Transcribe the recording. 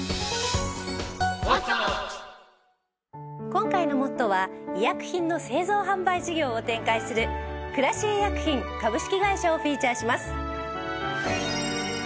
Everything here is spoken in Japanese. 今回の『ＭＯＴＴＯ！！』は医薬品の製造販売事業を展開するクラシエ薬品株式会社をフィーチャーします。